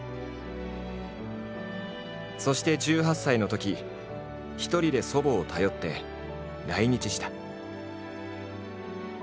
そして１８歳のとき一人で祖母を頼って来日した。